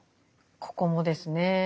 ここもですね